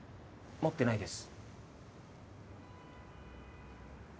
持ってないです。